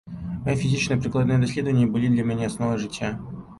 Мае фізічныя прыкладныя даследаванні былі для мне асновай жыцця.